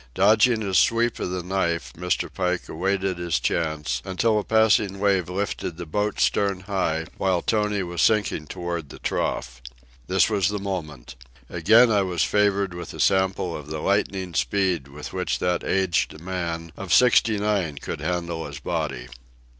Dodging a sweep of the knife, Mr. Pike awaited his chance, until a passing wave lifted the boat's stern high, while Tony was sinking toward the trough. This was the moment. Again I was favoured with a sample of the lightning speed with which that aged man of sixty nine could handle his body.